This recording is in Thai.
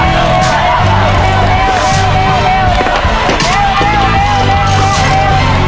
เร็วเร็วเร็ว